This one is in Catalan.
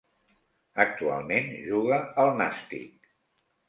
Actualment juga al Nàstic.